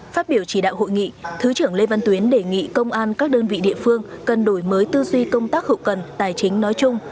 phát biểu chỉ đạo hội nghị thứ trưởng lê văn tuyến đề nghị công an các đơn vị địa phương cần đổi mới tư duy công tác hậu cần tài chính nói chung